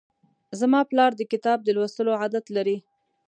زما پلار د کتاب د لوستلو عادت لري.